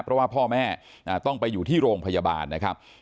เพราะว่าพ่อแม่ต้องไปอยู่ที่โรงพยาบาลนะครับ